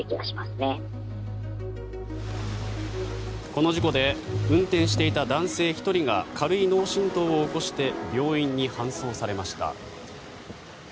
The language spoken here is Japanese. この事故で運転していた男性１人が軽い脳振とうを起こして病院に搬送されました。